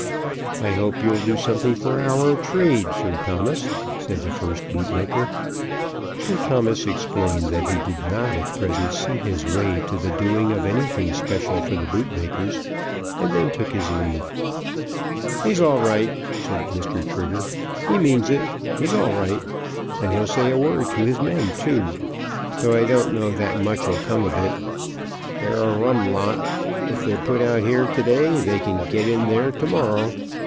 "I hope you'll do something for our trade, Sir Thomas," said the first bootmaker. Sir Thomas explained that he did not at present see his way to the doing of anything special for the bootmakers; and then took his leave. "He's all right," said Mr. Trigger. "He means it. He's all right. And he'll say a word to his men too, though I don't know that much 'll come of it. They're a rum lot. If they're put out here to day, they can get in there to morrow.